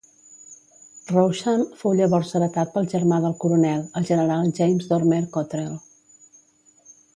Rousham fou llavors heretat pel germà del coronel, el general James Dormer-Cottrell.